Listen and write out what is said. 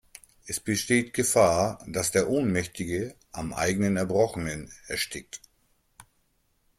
Es besteht Gefahr, dass der Ohnmächtige am eigenen Erbrochenen erstickt.